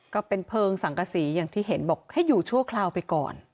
ก็เป็นเพลิงสังกษีอย่างที่เห็นบอกให้อยู่ชั่วคราวไปก่อน